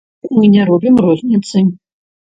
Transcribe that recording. Мы не робім розніцы.